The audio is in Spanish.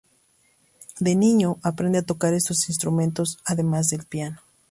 De niño aprende a tocar estos instrumentos, además del piano.